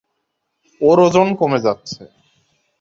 ওর ওজন কমে যাচ্ছে।